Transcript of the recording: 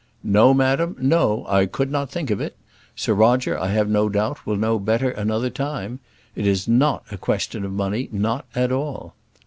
"No, madam, no. I could not think of it. Sir Roger, I have no doubt, will know better another time. It is not a question of money; not at all."